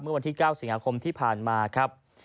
เมื่อวันที่๙สิงหาคมที่ผ่านมาครับ